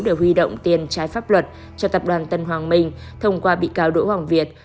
để huy động tiền trái pháp luật cho tập đoàn tân hoàng minh thông qua bị cáo đỗ hoàng việt